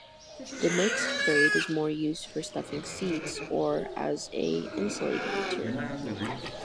The mixed frayed is more used for stuffing seats, or as a insulating material.